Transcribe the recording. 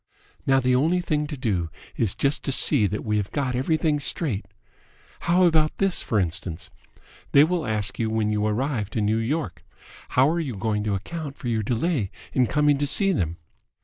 "Now the only thing to do is just to see that we have got everything straight. How about this, for instance? They will ask you when you arrived in New York. How are you going to account for your delay in coming to see them?"